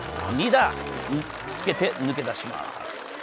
２打つけて抜け出します。